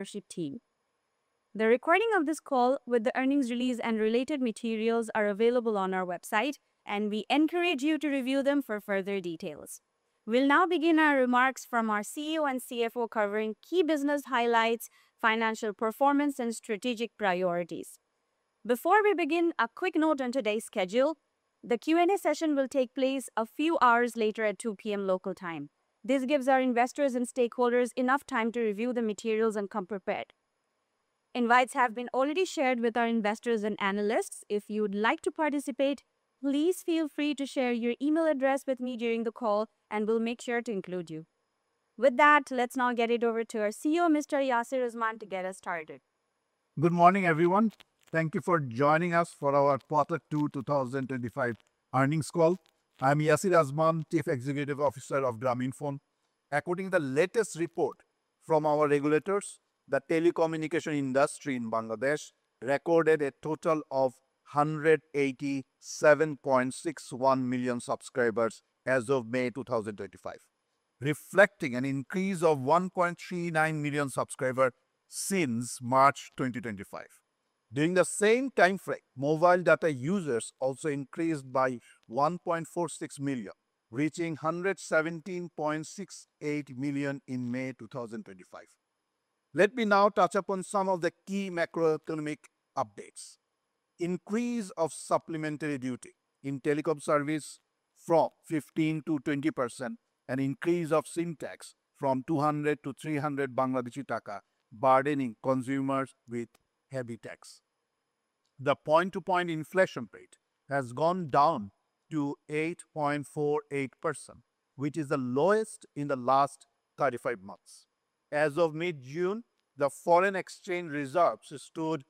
The recording of this call with the earnings release and related materials are available on our website, and we encourage you to review them for further details. We'll now begin our remarks from our CEO and CFO covering key business highlights, financial performance, and strategic priorities. Before we begin, a quick note on today's schedule. The Q&A session will take place a few hours later at 2:00 P.M. local time. This gives our investors and stakeholders enough time to review the materials and come prepared. Invites have already been shared with our investors and analysts. If you'd like to participate, please feel free to share your email address with me during the call, and we'll make sure to include you. Let's now get it over to our CEO, Mr. Yasir Azman, to get us started. Good morning everyone. Thank you for joining us for our Q2 2025 earnings call. I'm Yasir Azman, Chief Executive Officer of Grameenphone. According to the latest report from our regulators, the telecommunication industry in Bangladesh recorded a total of 187.61 million subscribers as of May 2025, reflecting an increase of 1.39 million subscribers since March 2025. During the same time frame, mobile data users also increased by 1.46 million, reaching 117.68 million in May 2025. Let me now touch upon some of the key macroeconomic updates. Increase of supplementary duty in telecom service from 15%-20% and increase of syntax from 200-300 Bangladeshi taka burdening consumers with heavy tax. The point-to-point inflation rate has gone down to 8.48% which is the lowest in the last 35 months. As of mid-June, the foreign exchange reserves stood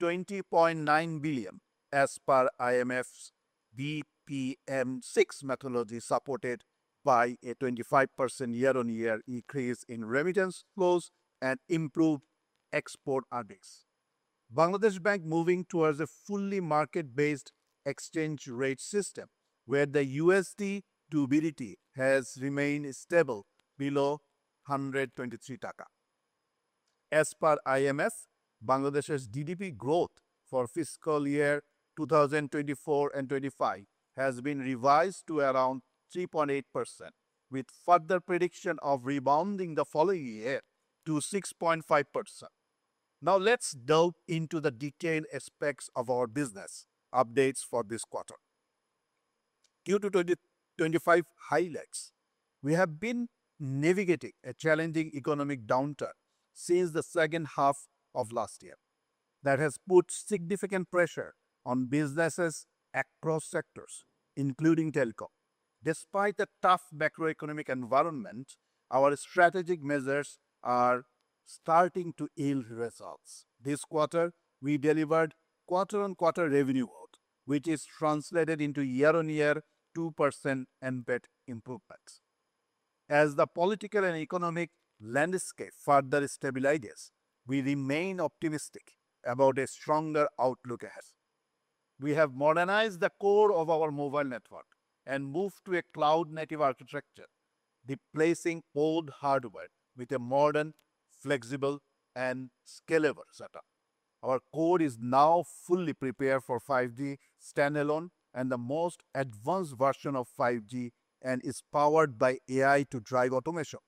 at $20.9 billion as per IMF's BPM6 methodology, supported by a 25% year-on-year increase in remittance flows and improved export earnings. Bangladesh Bank is moving towards a fully market-based exchange rate system where the USD durability has remained stable below BDT 123 taka. As per IMF, Bangladesh's GDP growth for fiscal year 2024 and 2025 has been revised to around 3.8% with further prediction of rebounding the following year to 6.5%. Now let's delve into the detailed aspects of our business updates for this quarter. Q2 2025 highlights: we have been navigating a challenging economic downturn since the second half of last year that has put significant pressure on businesses across sectors including telco. Despite the tough macroeconomic environment, our strategic measures are starting to yield results this quarter. We delivered quarter-on-quarter revenue growth, which is translated into year-on-year 2% MBET improvements. As the political and economic landscape further stabilizes, we remain optimistic about a stronger outlook as we have modernized the core of our mobile network and moved to a cloud-native architecture, replacing old hardware with a modern, flexible, and scalable setup. Our core is now fully prepared for 5G standalone and the most advanced version of 5G and is powered by AI to drive automation,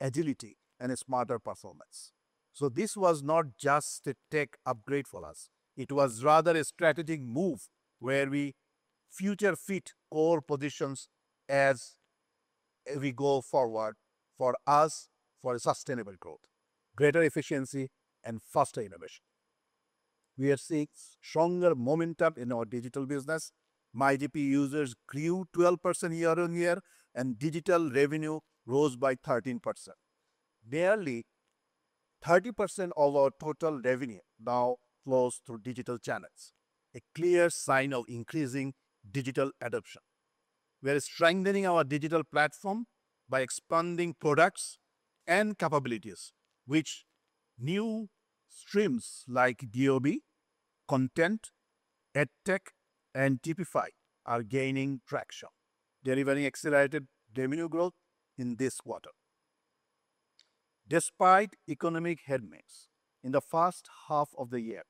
agility, and a smarter performance. This was not just a tech upgrade for us, it was rather a strategic move where we future-fit core positions as we go forward. For us, for sustainable growth, greater efficiency, and faster innovation, we are seeing stronger momentum in our digital business. MyGP users grew 12% year on year and digital revenue rose by 13%. Nearly 30% of our total revenue now flows through digital channels, a clear sign of increasing digital adoption. We are strengthening our digital platform by expanding products and capabilities with new streams like DoB content. EdTech and TP5 are gaining traction, delivering accelerated revenue growth in this quarter. Despite economic headwinds in the first half of the year,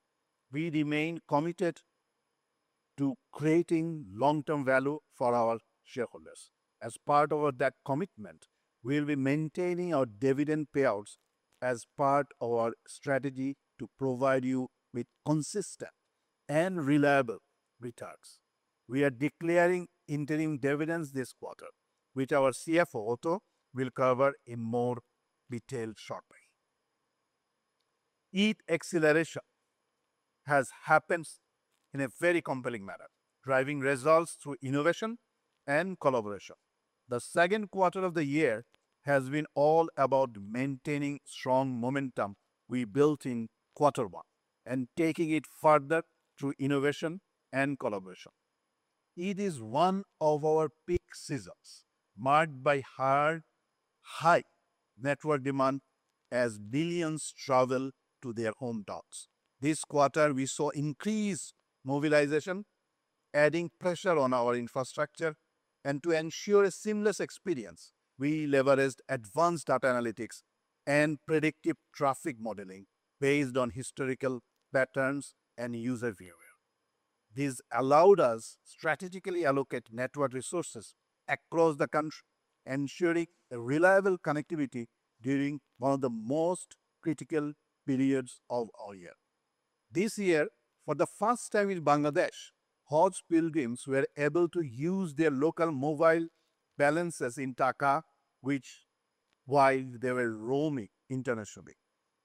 we remain committed to creating long term value for our shareholders. As part of that commitment, we'll be maintaining our dividend payouts as part of our strategy to provide you with consistent and reliable returns. We are declaring interim dividends this quarter, which our CFO Otto will cover in more detail shortly. ETH acceleration has happened in a very compelling manner, driving results through innovation and collaboration. The second quarter of the year has been all about maintaining strong momentum we built in quarter one and taking it further through innovation and collaboration. It is one of our peak seasons marked by high network demand as millions travel to their hometowns. This quarter we saw increased mobilization, adding pressure on our infrastructure, and to ensure a seamless experience, we leveraged advanced data analytics and predictive traffic modeling based on historical patterns and user behavior. This allowed us to strategically allocate network resources across the country, ensuring reliable connectivity during one of the most critical periods of our year. This year for the first time in Bangladesh, Hajj pilgrims were able to use their local mobile balances in Taka while they were roaming internationally,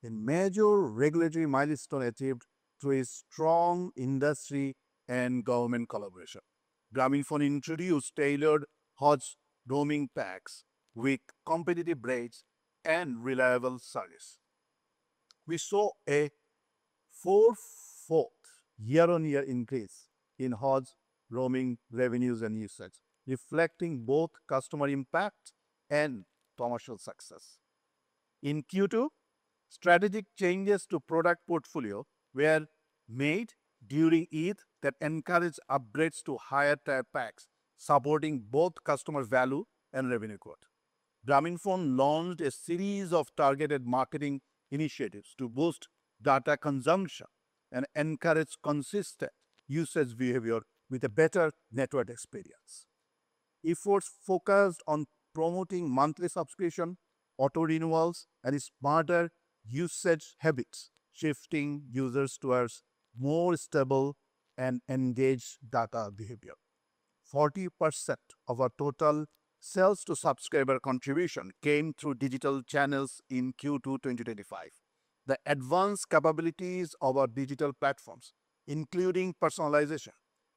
a major regulatory milestone achieved through strong industry and government collaboration. Grameenphone introduced tailored Hajj roaming packs with competitive rates and reliable service. We saw a 44% year on year increase in Hajj roaming revenues and usage, reflecting both customer impact and commercial success. In Q2, strategic changes to product portfolio were made during EID that encouraged upgrades to higher tier packs, supporting both customer value and revenue growth. Grameenphone launched a series of targeted marketing initiatives to boost data consumption and encourage consistent usage behavior with a better network experience. Efforts focused on promoting monthly subscription auto renewals and smarter usage habits, shifting users towards more stable and engaged data behavior. 40% of our total sales to subscriber contribution came through digital channels in Q2 2025. The advanced capabilities of our digital platforms, including personalization,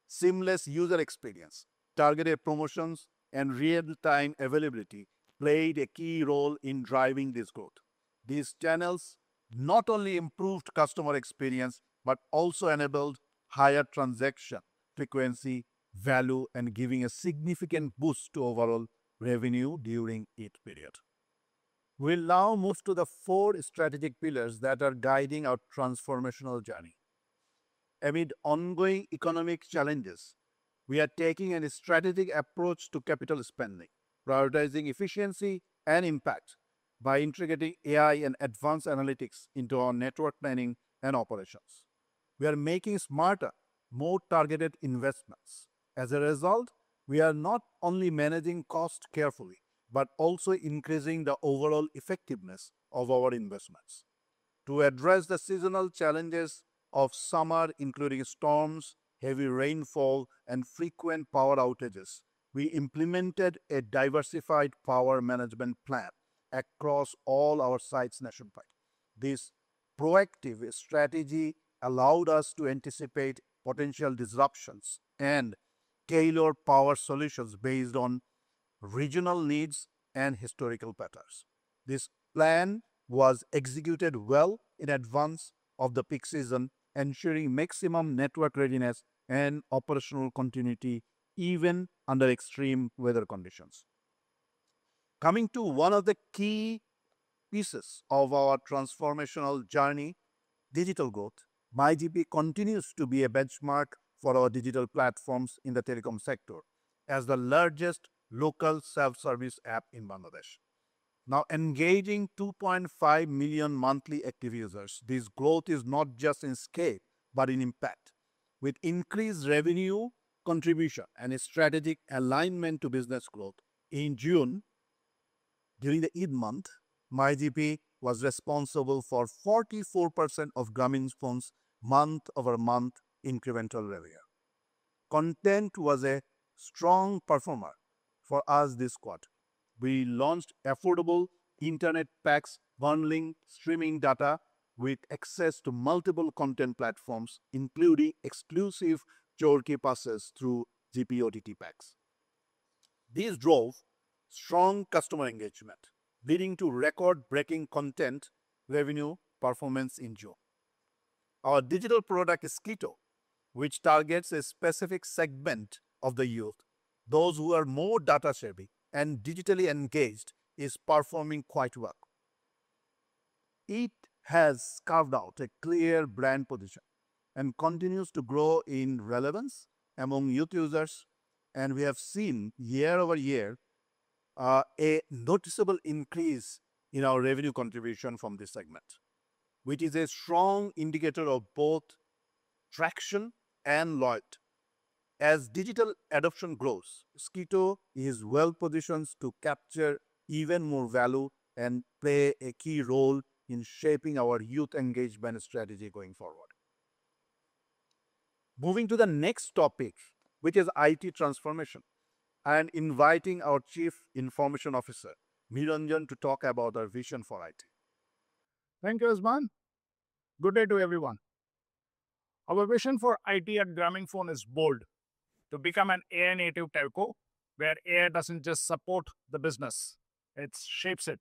seamless user experience, targeted promotions, and real-time availability, played a key role in driving this growth. These channels not only improved customer experience, but also enabled higher transaction frequency, value, and gave a significant boost to overall revenue during each period. We will now move to the four strategic pillars that are guiding our transformational journey. Amid ongoing economic challenges, we are taking a strategic approach to capital spending, prioritizing efficiency and impact. By integrating AI and advanced analytics into our network planning and operations, we are making smarter, more targeted investments. As a result, we are not only managing costs carefully, but also increasing the overall effectiveness of our investments. To address the seasonal challenges of summer, including storms, heavy rainfall, and frequent power outages, we implemented a diversified power management plan across all our sites nationwide. This proactive strategy allowed us to anticipate potential disruptions and tailor power solutions based on regional needs and historical patterns. This plan was executed well in advance of the peak season, ensuring maximum network readiness and operational continuity even under extreme weather conditions. Coming to one of the key pieces of our transformational journey, digital growth, MyGP continues to be a benchmark for our digital platforms in the telecom sector as the largest local self-service app in Bangladesh, now engaging 2.5 million monthly active users. This growth is not just in scale but in impact, with increased revenue contribution and a strategic alignment to business growth in June. During the eighth month, MyGP was responsible for 44% of Grameenphone Ltd.'s month-over-month incremental revenue. Content was a strong performer for us this quarter. We launched affordable internet packs bundling streaming data with access to multiple content platforms, including exclusive Chorki passes through GP OTT packs. These drove strong customer engagement, leading to record-breaking content revenue performance in June. Our digital product Skitto, which targets a specific segment of the youth. Those who are more data savvy and digitally engaged are performing quite well. It has carved out a clear brand position and continues to grow in relevance among youth users. We have seen year over year a noticeable increase in our revenue contribution from this segment, which is a strong indicator of both traction and loyalty. As digital adoption grows, Skitto is well positioned to capture even more value and play a key role in shaping our youth engagement strategy going forward. Moving to the next topic, which is IT Transformation, and inviting our Chief Information Officer Niranjan to talk about our vision for it. Thank you, Azman. Good day to everyone. Our vision for IT at Grameenphone is bold, to become an AI-Native Telco where AI doesn't just support the business, it shapes it.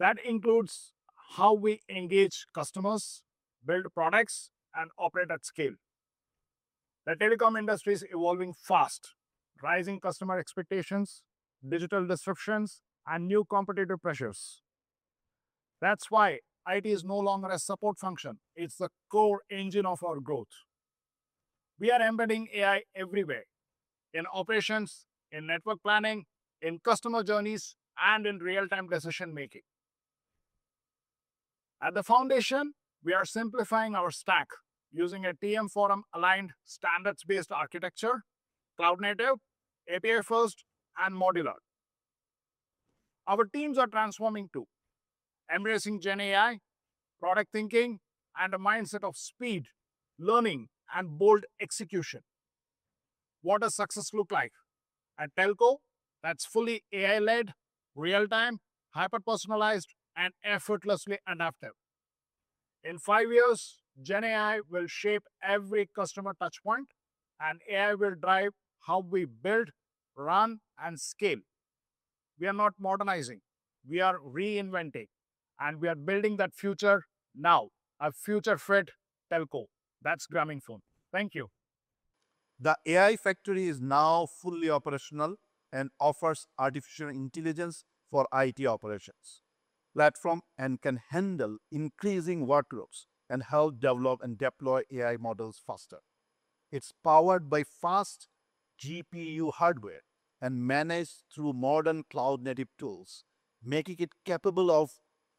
That includes how we engage customers, build products, and operate at scale. The telecom industry is evolving fast: rising customer expectations, digital disruptions, and new competitive pressures. That's why it is no longer a support function. It's the core engine of our growth. We are embedding AI everywhere in operations, in network planning, in customer journeys, and in real time decision making. At the foundation, we are simplifying our stack using a TM Forum aligned, standards-based architecture, cloud-native, API-first, and modular. Our teams are transforming too, embracing GenAI product thinking and a mindset of speed, learning, and bold execution. What does success look like at a Telco that's fully AI-led, real time, hyper-personalized, and effortlessly adaptive? In five years, GenAI will shape every customer touchpoint, and AI will drive how we build, run, and scale. We are not modernizing, we are reinventing, and we are building that future now. A future-fit Telco, that's Grameenphone. Thank you. The AI factory is now fully operational and offers artificial intelligence for IT operations platform and can handle increasing workloads and help develop and deploy AI models faster. It's powered by fast GPU hardware and managed through modern cloud-native tools, making it capable of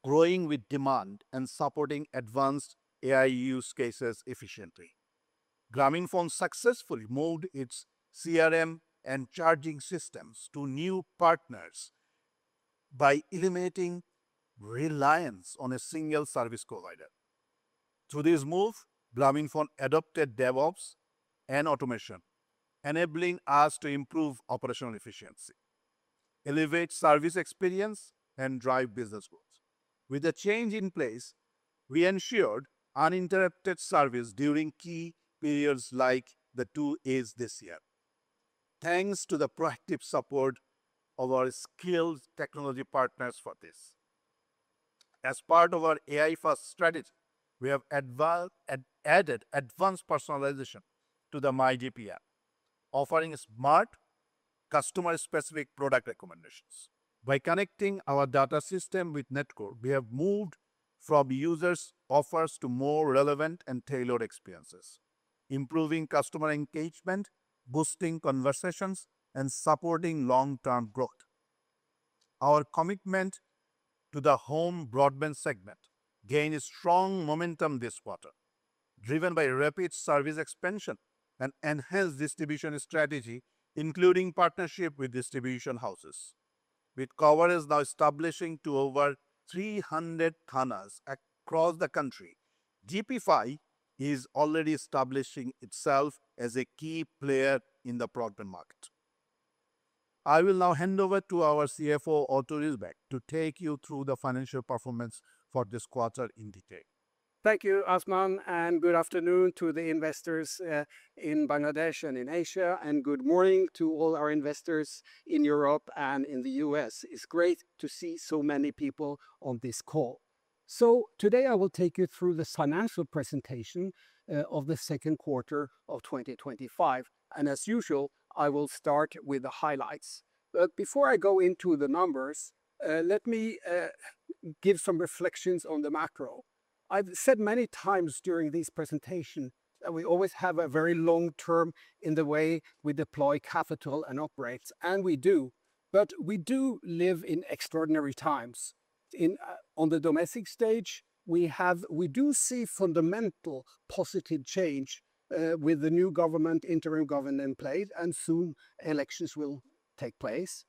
growing with demand and supporting advanced AI use cases efficiently. Grameenphone successfully moved its CRM and charging systems to new partners by eliminating reliance on a single service provider. Through this move, Grameenphone adopted DevOps and automation, enabling us to improve operational efficiency, elevate service experience, and drive business growth. With the change in place, we ensured uninterrupted service during key periods like the two EIDs this year, thanks to the proactive support of our skilled technology partners for this. As part of our AI-first strategy, we have added advanced personalization to the MyGP app, offering smart customer-specific product recommendations. By connecting our data system with [Netcore], we have moved from users' offers to more relevant and tailored experiences, improving customer engagement, boosting conversions, and supporting long-term growth. Our commitment to the home broadband segment gained strong momentum this quarter, driven by rapid service expansion and enhanced distribution strategy, including partnership with distribution houses, with coverage now established to over 300 thanas across the country. Gpfi is already establishing itself as a key player in the broadband market. I will now hand over to our CFO Otto Risbakk to take you through the financial performance for this quarter in detail. Thank you, Azman. Good afternoon to the investors in Bangladesh and in Asia, and good morning to all our investors in Europe and in the U.S. It's great to see so many people on this call. Today I will take you through the financial presentation of the second quarter of 2025, and as usual, I will start with the highlights. Before I go into the numbers, let me give some reflections on the macro. I've said many times during this presentation that we always have a very long term in the way we deploy capital and operate, and we do. We do live in extraordinary times. In all the domestic stage, we do see fundamental positive change with the new interim government in place and soon elections will take place.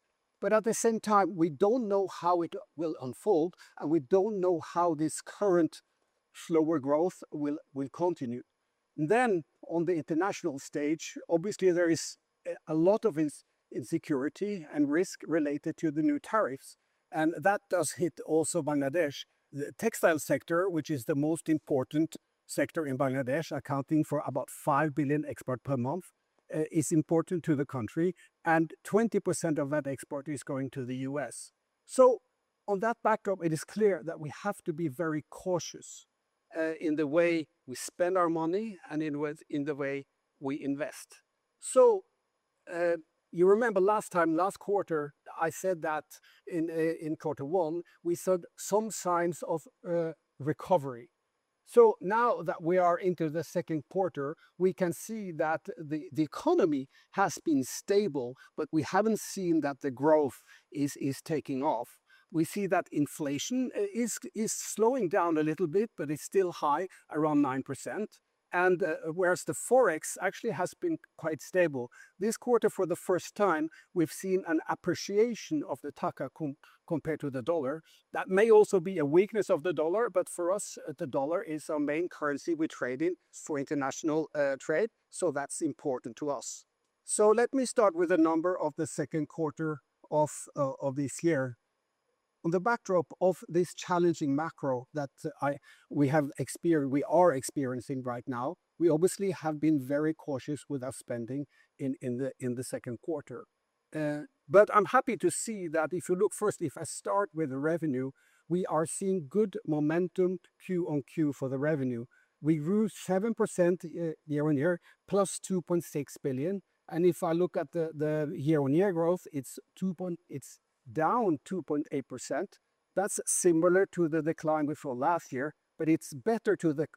At the same time, we don't know how it will unfold and we don't know how this current slower growth will continue. On the international stage, obviously there is a lot of insecurity and risk related to the new tariffs and that does hit also Bangladesh. The textile sector, which is the most important sector in Bangladesh, accounting for about $5 billion export per month, is important to the country and 20% of that export is going to the U.S. On that backdrop, it is clear that we have to be very cautious in the way we spend our money and in the way we invest. You remember last time, last quarter I said that in quarter one we saw some signs of recovery. Now that we are into the second quarter, we can see that the economy has been stable, but we haven't seen that the growth is taking off. We see that inflation is slowing down a little bit, but it's still high around 9%. Whereas the FOREX actually has been quite stable this quarter, for the first time we've seen an appreciation of the taka compared to the dollar. That may also be a weakness of the dollar. For us, the dollar is our main currency we trade in for international trade, so that's important to us. Let me start with the numbers of the second quarter of this year on the backdrop of this challenging macro that we are experiencing right now. We obviously have been very cautious with our spending in the second quarter, but I'm happy to see that if you look first, if I start with the revenue, we are seeing good momentum. Q on Q, for the revenue, we grew 7% year on year plus $2.6 billion. If I look at the year-on-year growth, it's 2.0, down 2.8%. That's similar to the decline we saw last year, but it's better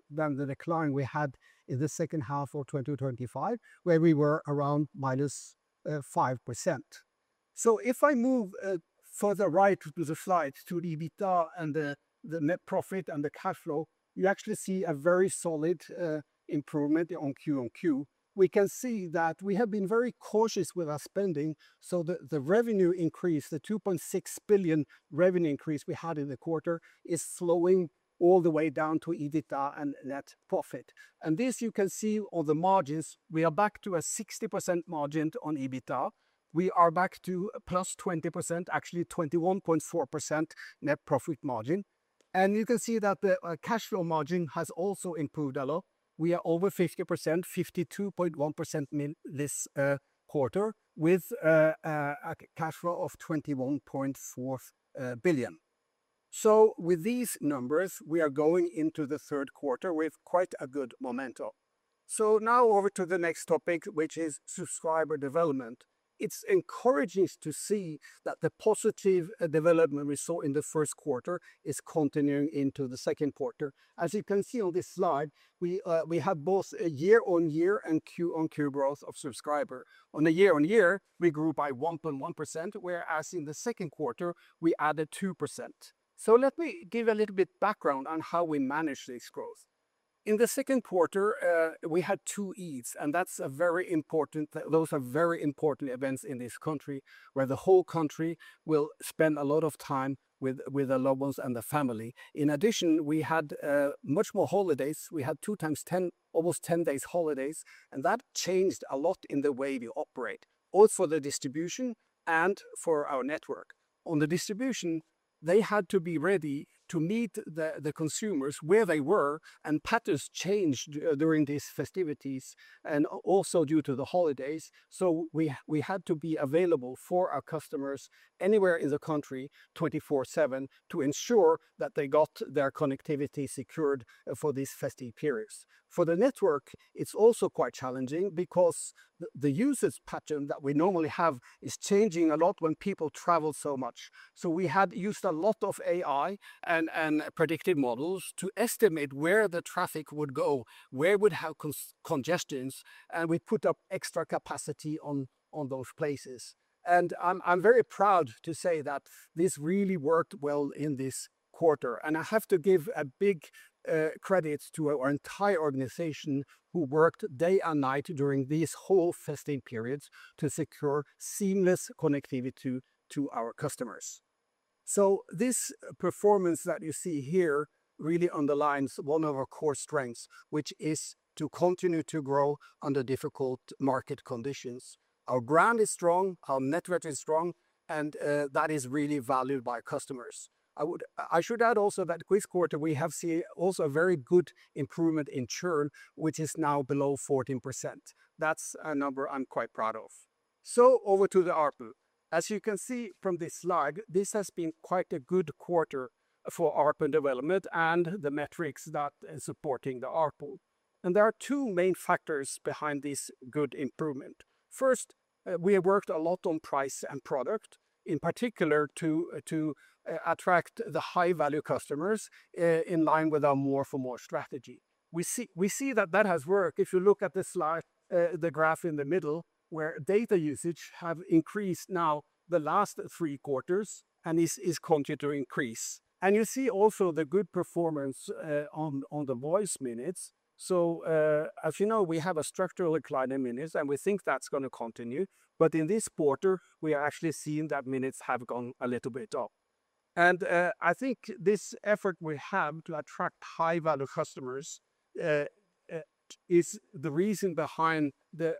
than the decline we had in the second half of 2025 where we were around -5%. If I move further right to the slide to the EBITDA and the net profit and the cash flow, you actually see a very solid improvement on Q. on Q we can see that we have been very cautious with our spending. The revenue increase, the 2.6 billion revenue increase we had in the quarter, is slowing all the way down to EBITDA and net profit. This you can see on the margins, we are back to a 60% margin. On EBITDA we are back to +20%, actually 21.4% net profit margin. You can see that the cash flow margin has also improved a lot. We are over 50%, 52.1% this quarter with a cash flow of 21.4 billion. With these numbers, we are going into the third quarter with quite a good momentum. Now over to the next topic, which is subscriber development. It's encouraging to see that the positive development we saw in the first quarter is continuing into the second quarter. As you can see on this slide, we have both a year-on-year and Q on Q growth of subscriber. On a year-on-year we grew by 1.1%, whereas in the second quarter we added 2%. Let me give a little bit of background on how we manage this growth. In the second quarter we had two EIDs and that's very important, those are very important events in this country where the whole country will spend a lot of time with their loved ones and their family. In addition, we had much more holidays. We had two times 10, almost 10 days holidays. That changed a lot in the way we operate both for the distribution and for our network. On the distribution they had to be ready to meet the consumers where they were and patterns changed during these festivities and also due to the holidays. We had to be available for our customers anywhere in the country 24/7 to ensure that they got their connectivity secured for these festive periods. For the network, it's also quite challenging because the usage pattern that we normally have is changing a lot when people travel so much. We had used a lot of AI and predictive models to estimate where the traffic would go, where we would have congestions, and we put up extra capacity on those places. I'm very proud to say that this really worked well in this quarter. I have to give a big credit to our entire organization who worked day and night during these whole fasting periods to secure seamless connectivity to our customers. This performance that you see here really underlines one of our core strengths, which is to continue to grow under difficult market conditions. Our brand is strong, our network is strong, and that is really valued by customers. I should add also that this quarter we have seen also a very good improvement in churn, which is now below 14%. That's a number I'm quite proud of. Over to the ARPU. As you can see from this slide, this has been quite a good quarter for ARPU development and the metrics that are supporting the ARPU. There are two main factors behind this good improvement. First, we have worked a lot on price and product, in particular to attract the high value customers in line with our more for more strategy. We see that has worked. If you look at the slide, the graph in the middle where data usage has increased now the last three quarters, this is continuing to increase. You see also the good performance on the voice minutes. As you know, we have a structural decline in minutes and we think that's going to continue. In this quarter we are actually seeing that minutes have gone a little bit up. I think this effort we have to attract high value customers is the reason behind the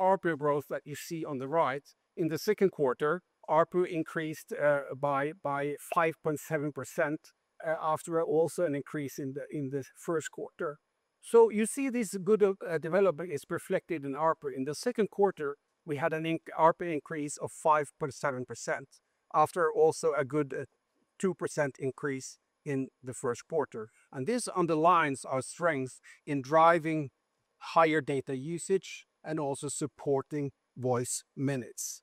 ARPU growth that you see on the right in the second quarter. ARPU increased by 5.7% after also an increase in the first quarter. You see this good development is reflected in ARPA. In the second quarter we had an ARPA increase of 5.7% after also a good 2% increase in the first quarter. This underlines our strength in driving higher data usage and also supporting voice minutes.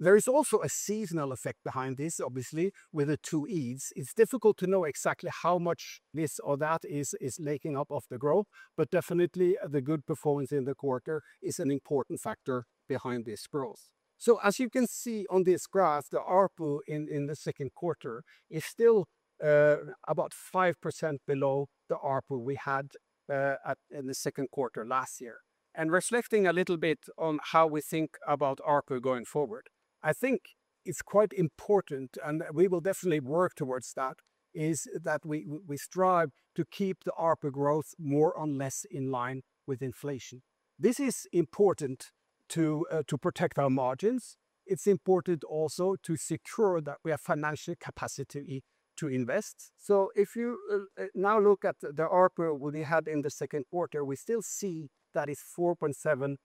There is also a seasonal effect behind this. Obviously with the two EIDs it's difficult to know exactly how much this or that is making up of the growth. Definitely the good performance in the quarter is an important factor behind this growth. As you can see on this graph, the ARPU in the second quarter is still about 5% below the ARPU we had in the second quarter last year. Reflecting a little bit on how we think about ARPU going forward, I think it's quite important and we will definitely work towards that, that we strive to keep the ARPA growth more or less in line with inflation. This is important to protect our margins. It's important also to secure that we have financial capacity to invest. If you now look at the ARPU we had in the second quarter, we still see that it's 4.7%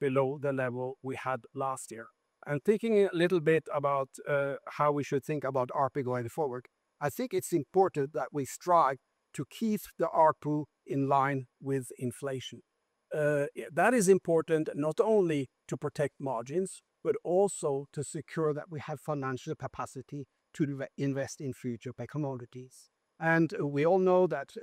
below the level we had last year and thinking a little bit about how we should think about ARPU going forward, I think it's important that we strive to keep the ARPU in line with inflation. That is important not only to protect margins, but also to secure that we have financial capacity to invest in future by commodities. We all know that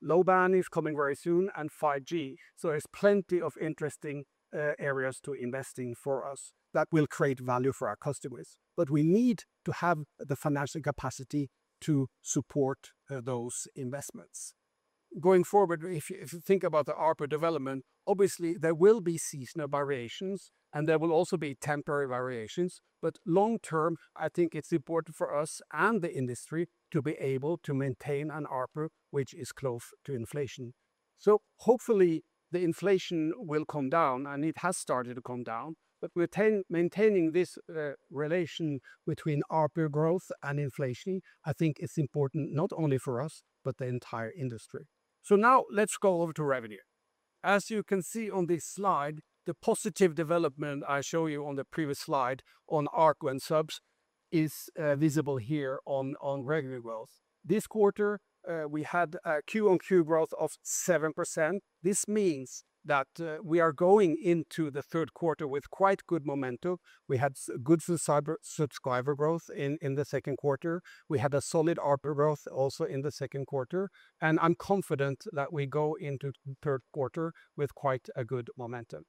low band is coming very soon and 5G. There's plenty of interesting areas to invest in for us that will create value for our customers. We need to have the financial capacity to support those investments going forward. If you think about the ARPU development, obviously there will be seasonal variations and there will also be temporary variations. Long term, I think it's important for us and the industry to be able to maintain an ARPU which is close to inflation. Hopefully the inflation will come down and it has started to come down. Maintaining this relation between ARPU growth and inflation, I think it's important not only for us but the entire industry. Now let's go over to revenue. As you can see on this slide, the positive development I show you on the previous slide on ARPU and subs is visible here on revenue growth. This quarter we had a Q on Q growth of 7%. This means that we are going into the third quarter with quite good momentum. We had good subscriber growth in the second quarter. We had a solid ARPU growth also in the second quarter. I'm confident that we go into third quarter with quite a good momentum.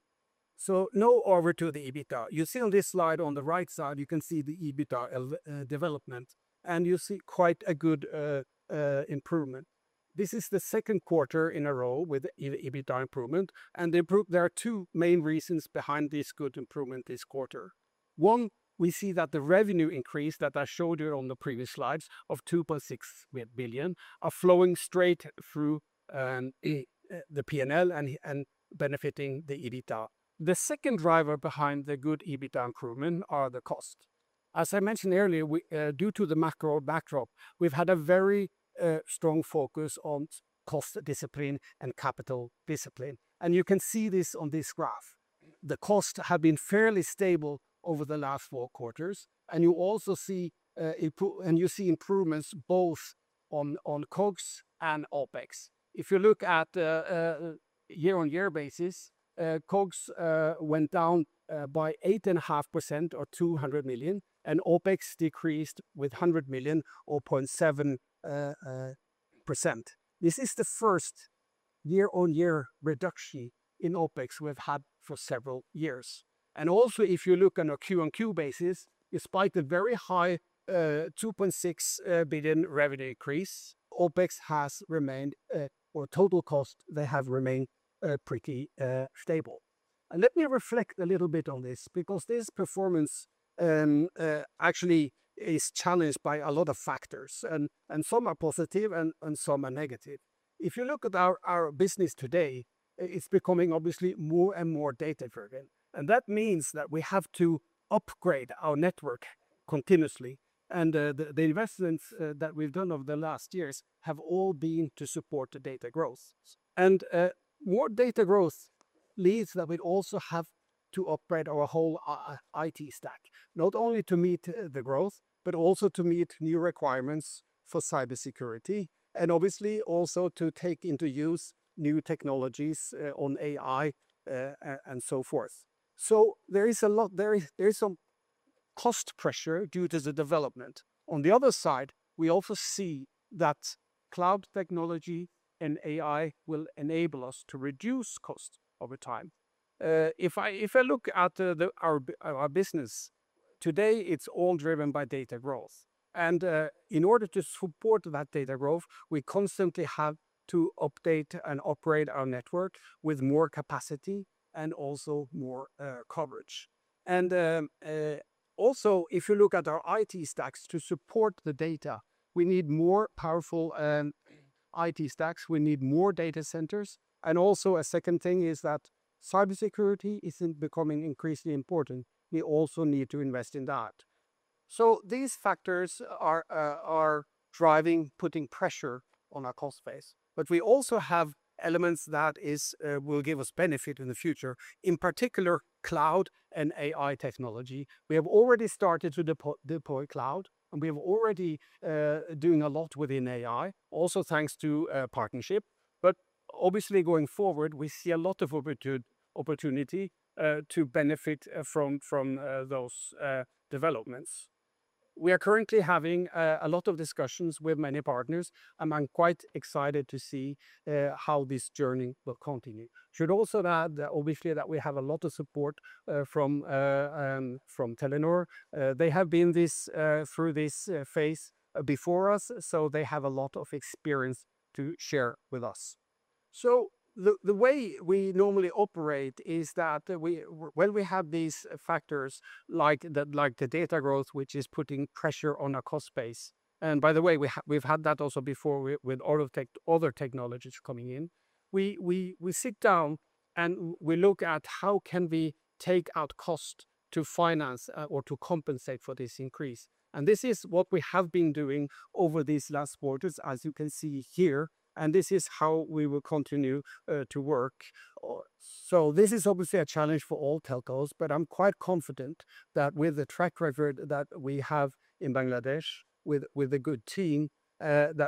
Now over to the EBITDA. You see on this slide on the right side you can see the EBITDA development and you see quite a good improvement. This is the second quarter in a row with EBITDA improvement. There are two main reasons behind this good improvement this quarter. One, we see that the revenue increase that I showed you on the previous slides of 2.6 billion are flowing straight through the P&L and benefiting the EBITDA. The second driver behind the good EBITDA improvement are the cost. As I mentioned earlier, due to the macro backdrop, we've had a very strong focus on cost discipline and capital discipline. You can see this on this graph. The costs have been fairly stable over the last four quarters. You also see improvements both on COGS and OpEx. If you look at year on year basis, COGS went down by 8.5% or BDT 200 million and OpEx decreased with BDT 100 million or 0.7%. This is the first year on year reduction in OpEx we've had for several years. Also, if you look on a Q on Q basis, despite the very high BDT 2.6 billion revenue increase, OpEx has remained, or total cost, they have remained pretty stable. Let me reflect a little bit on this because this performance actually is challenged by a lot of factors and some are positive and some are negative. If you look at our business today, it's becoming obviously more and more data driven and that means that we have to upgrade our network continuously. The investments that we've done over the last years have all been to support the data growth and more data growth leads that. We also have to operate our whole IT stack, not only to meet the growth, but also to meet new requirements for cybersecurity and obviously also to take into use new technologies on AI and so forth. There is a lot, there is some cost pressure due to the development. On the other side, we also see that cloud technology and AI will enable us to reduce cost over time. If I look at our business today, it's all driven by data growth. In order to support that data growth, we constantly have to update and operate our network with more capacity and also more coverage. Also, if you look at our IT stacks to support the data, we need more powerful IT stacks, we need more data centers. A second thing is that cybersecurity is becoming increasingly important. We also need to invest in that. These factors are driving, putting pressure on our cost base. We also have elements that will give us benefit in the future, in particular customers, cloud and AI technology. We have already started to deploy cloud and we are already doing a lot within AI also thanks to partnership. Obviously, going forward we see a lot of opportunity to benefit from those developments. We are currently having a lot of discussions with many partners and I'm quite excited to see how this journey will continue. I should also add obviously that we have a lot of support from Telenor. They have been through this phase before us, so they have a lot of experience to share with us. The way we normally operate is that when we have these factors like the data growth, which is putting pressure on our cost base, and by the way, we've had that also before with other technologies coming in, we sit down and we look at how can we take out cost to finance or to compensate for this increase. This is what we have been doing over these last quarters, as you can see here, and this is how we will continue to work. This is obviously a challenge for all telcos, but I'm quite confident that with the track record that we have in Bangladesh, with a good team,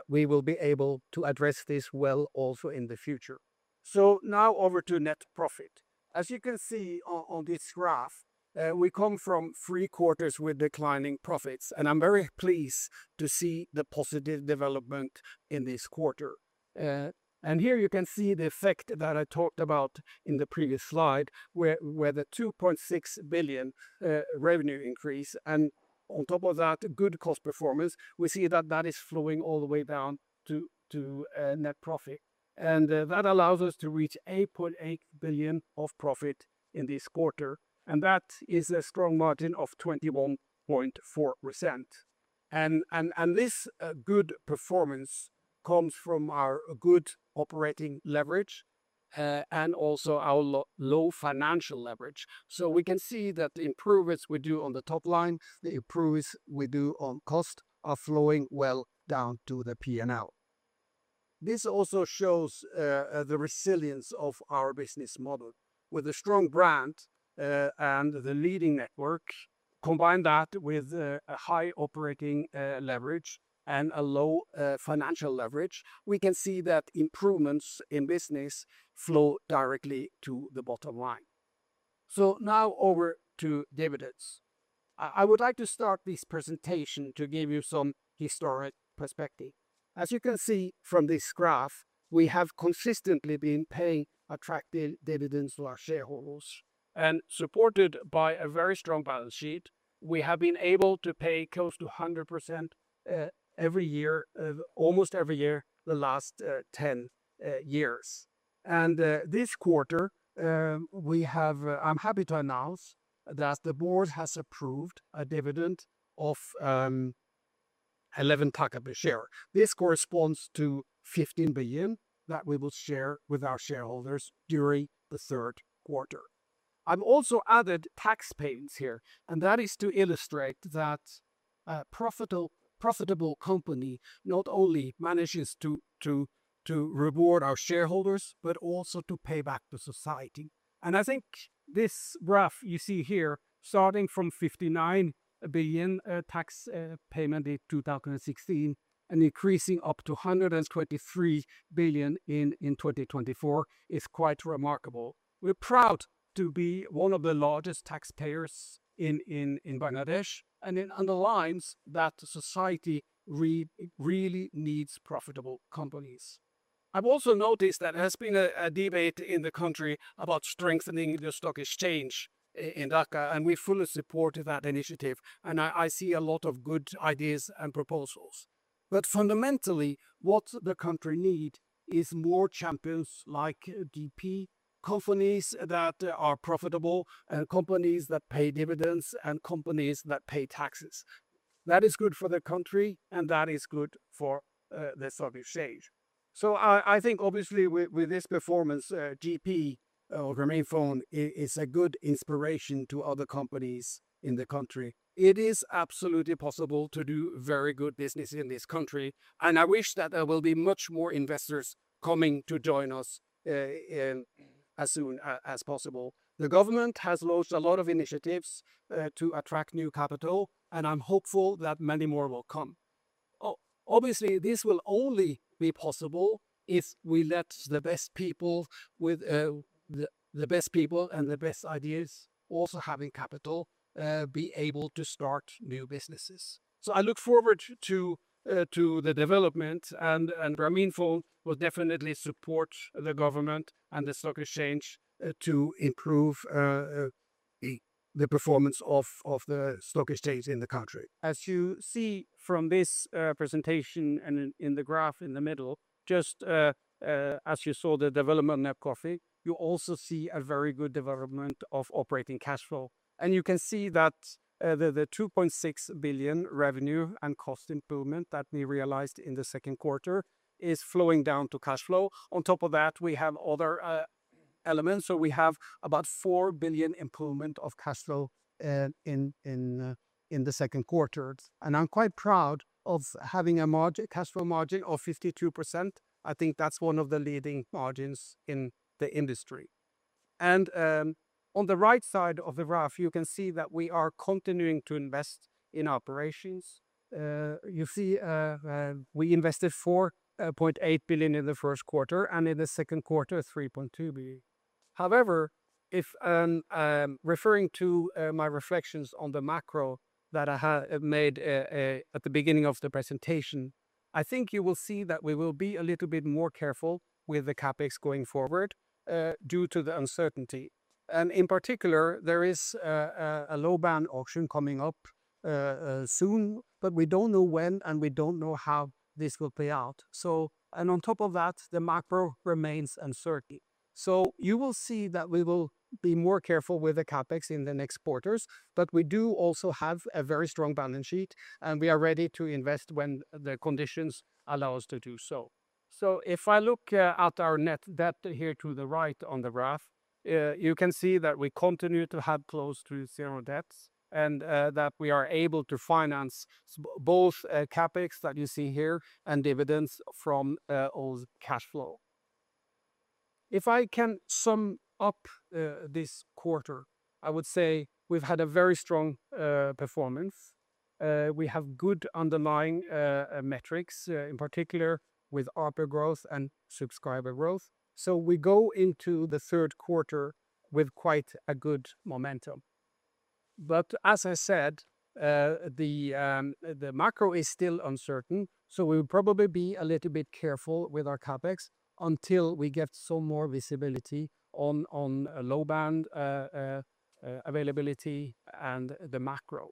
we will be able to address this well also in the future. Now over to net profit. As you can see on this graph, we come from three quarters with declining profits. I'm very pleased to see the positive development in this quarter. Here you can see the effect that I talked about in the previous slide where the 2.6 billion revenue increase, and on top of that good cost performance, we see that is flowing all the way down to net profit. That allows us to reach 8.8 billion of profit in this quarter. That is a strong margin of 21.4%. This good performance comes from our good operating leverage and also our low financial leverage. We can see that the improvements we do on the top line, the improvements we do on, are flowing well down to the P&L. This also shows the resilience of our business model with a strong brand and the leading network. Combine that with a high operating leverage and a low financial leverage, we can see that improvements in business flow directly to the bottom line. Now over to dividends. I would like to start this presentation to give you some historic perspective. As you can see from this graph, we have consistently been paying attractive dividends to our shareholders. Supported by a very strong balance sheet, we have been able to pay close to 100% every year, almost every year, the last 10 years. This quarter, I'm happy to announce that the board has approved a dividend of BDT 11 taka per share. This corresponds to BDT 15 billion that we will share with our shareholders during the third quarter. I've also added tax payments here and that is to illustrate that a profitable company not only manages to reward our shareholders, but also to pay back to society. I think this graph you see here, starting from BDT 59 billion tax payment in 2016 and increasing up to BDT 123 billion in 2024, is quite remarkable. We're proud to be one of the largest taxpayers in Bangladesh. It underlines that society really needs profitable companies. I've also noticed that there has been a debate in the country about strengthening the stock exchange in Dhaka. We fully support that initiative and I see a lot of good ideas and proposals. Fundamentally, what the country needs is more champions like GP, companies that are profitable and companies that pay dividends and companies that pay taxes. That is good for the country and that is good for the stock exchange. I think obviously with this performance, GP, Grameenphone is a good inspiration to other companies in the country. It is absolutely possible to do very good business in this country and I wish that there will be much more investors coming to join us as soon as possible. The government has launched a lot of initiatives to attract new capital and I'm hopeful that many more will come. Obviously, this will only be possible if we let the best people with the best people and the best ideas also having capital be able to start new businesses. I look forward to the development and Grameenphone will definitely support the government and the stock exchange to improve the performance of the stock exchange in the country. As you see from this presentation and in the graph in the middle, just as you saw the development net profit, you also see a very good development of operating cash flow. You can see that the BDT 2.6 billion revenue and cost improvement that we realized in the second quarter is flowing down to cash flow. On top of that, we have other elements. We have about BDT 4 billion improvement of cash flow in the second quarter and I'm quite proud of having a cash flow margin of 52%. I think that's one of the leading margins in the industry. On the right side of the graph, you can see that we are continuing to invest in operations. You see we invested BDT 4.8 billion in the first quarter and in the second quarter BDT 3.2 billion. If referring to my reflections on the macro that I made at the beginning of the presentation, I think you will see that we will be a little bit more careful with the CapEx going forward due to the uncertainty and in particular there is a low band auction coming up soon. We don't know when and we don't know how this will play out. On top of that, the macro remains uncertain. You will see that we will be more careful with the CapEx in the next quarters. We do also have a very strong balance sheet and we are ready to invest when the conditions allow us to do so. If I look at our net debt here to the right on the graph, you can see that we continue to have close to zero debt and that we are able to finance both CapEx that you see here and dividends from all cash flow. If I can sum up this quarter, I would say we've had a very strong performance. We have good underlying metrics in particular with ARPA growth and subscriber growth. We go into the third quarter with quite a good momentum. As I said, the macro is still uncertain. We will probably be a little bit careful with our CapEx until we get some more visibility on low band availability and the macro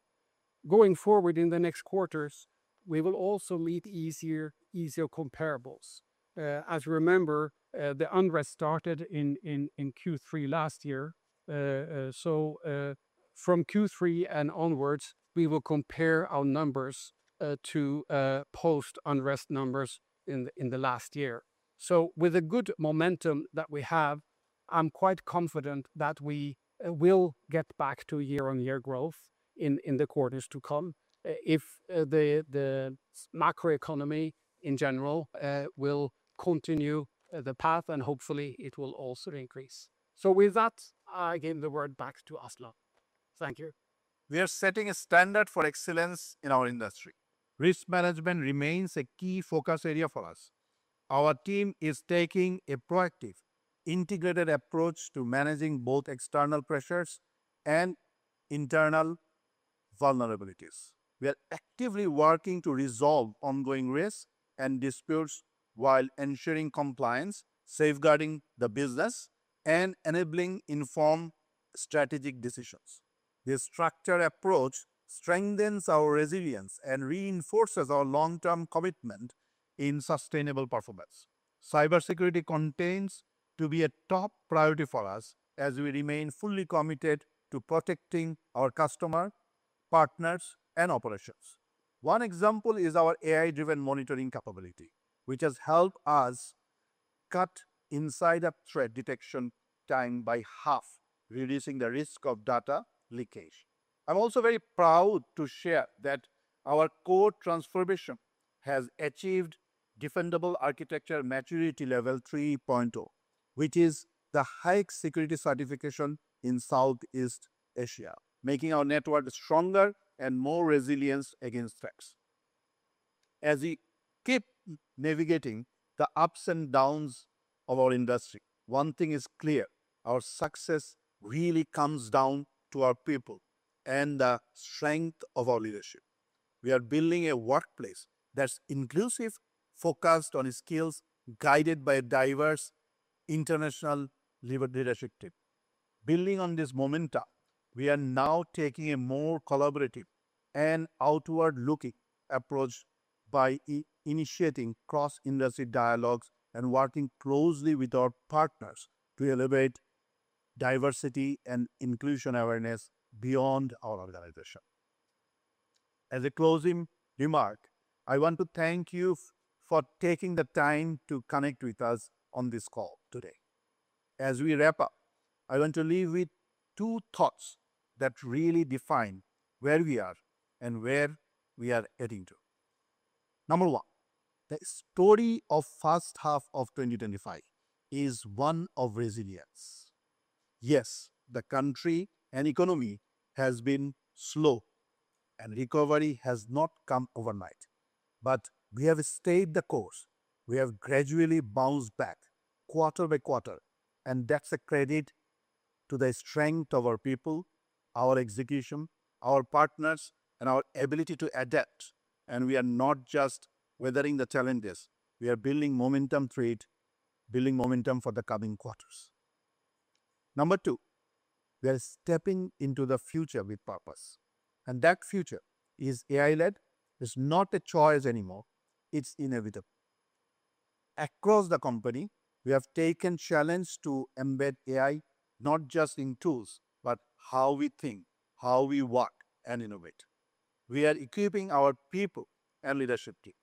going forward. In the next quarters we will also meet easier comparables. As you remember, the unrest started in Q3 last year. From Q3 and onwards we will compare our numbers to post-unrest numbers in the last year. With a good momentum that we have, I'm quite confident that we will get back to year-on-year growth in the quarters to come if the macro economy in general will continue the path and hopefully it will also increase. With that I give the word back to Yasir Azman. Thank you. We are setting a standard for excellence in our industry. Risk management remains a key focus area for us. Our team is taking a proactive, integrated approach to managing both external pressures and internal vulnerabilities. We are actively working to resolve ongoing risks and disputes while ensuring compliance, safeguarding the business, and enabling informed strategic decisions. This structured approach strengthens our resilience and reinforces our long-term commitment to sustainable performance. Cybersecurity continues to be a top priority for us as we remain fully committed to protecting our customer partners and operations. One example is our AI-powered monitoring capability, which has helped us cut incident threat detection time by half, reducing the risk of data leakage. I'm also very proud to share that our core transformation has achieved Defendable Architecture Maturity Level 3.0, which is the highest security certification in Southeast Asia, making our network stronger and more resilient against threats. As we keep navigating the ups and downs of our industry, one thing is clear: our success really comes down to our people and the strength of our leadership. We are building a workplace that's inclusive, focused on skills, guided by a diverse international labor leadership. Building on this momentum, we are now taking a more collaborative and outward-looking approach by initiating cross-industry dialogues and working closely with our partners to elevate diversity and inclusion awareness beyond our organization. As a closing remark, I want to thank you for taking the time to connect with us on this call today. As we wrap up, I want to leave with two thoughts that really define where we are and where we are heading to. Number one, the story of the first half of 2025 is one of resilience. Yes, the country and economy have been slow and recovery has not come overnight. We have stayed the course. We have gradually bounced back quarter by quarter, and that's a credit to the strength of our people, our execution, our partners, and our ability to adapt. We are not just weathering the challenges, we are building momentum through it, building momentum for the coming quarters. Number two, we are stepping into the future with purpose, and that future is AI-led. It's not a choice anymore. It's inevitable. Across the company, we have taken the challenge to embed AI not just in tools but in how we think, how we work, and innovate. We are equipping our people and leadership team,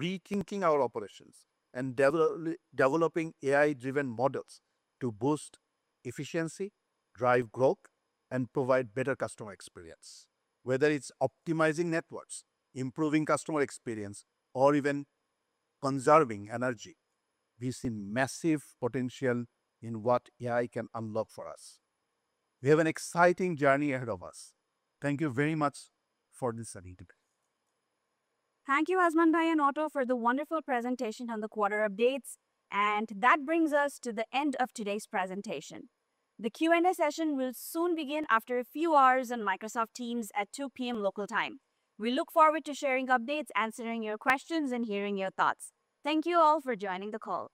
rethinking our operations, and developing AI-driven models to boost efficiency, drive growth, and provide better customer experience. Whether it's optimizing networks, improving customer experience, or even conserving energy, we see massive potential in what AI can unlock for us. We have an exciting journey ahead of us. Thank you very much for this study today. Thank you Azman Bhai and Otto for the wonderful presentation on the quarter updates, and that brings us to the end of today's presentation. The Q and A session will soon begin after a few hours on Microsoft Teams at 2:00 P.M. local time. We look forward to sharing updates, answering your questions, and hearing your thoughts. Thank you all for joining the call.